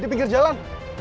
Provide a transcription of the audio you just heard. di pinggir jalan